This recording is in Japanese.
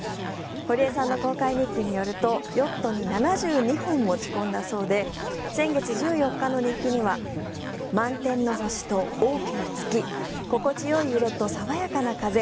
堀江さんの航海日記によるとヨットに７２本持ち込んだということで先月１４日の日記には満天の星と大きな月心地よい揺れと爽やかな風